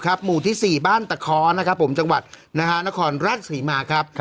๕๐ครับหมู่ที่๔บ้านตะคอนะครับผมจังหวัดนฮานคอนรัฐศรีมาครับ